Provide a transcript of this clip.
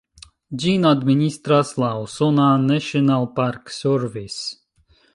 Ĝin administras la usona "National Park Service".